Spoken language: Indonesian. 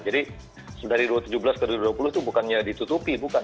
jadi dari dua ribu tujuh belas ke dua ribu dua puluh itu bukannya ditutupi bukan